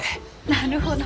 なるほど。